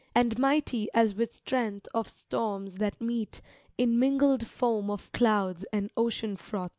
And mighty as with strength of storms that meet In mingled foam of clouds and ocean^froth.